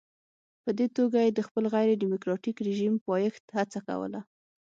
په دې توګه یې د خپل غیر ډیموکراټیک رژیم د پایښت هڅه کوله.